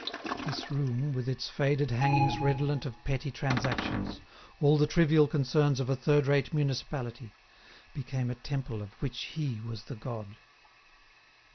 This room, with its faded hangings redolent of petty transactions, all the trivial concerns of a third rate municipality, became a temple of which he was the god.